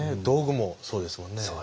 道具もそうですもんね。